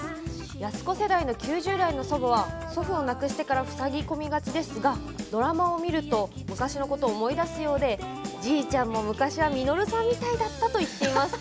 安子世代の９０代の祖母は祖父を亡くしてからふさぎ込みがちですがドラマを見ると昔のことを思い出すようでじいちゃんも昔は稔さんみたいだったと言っています。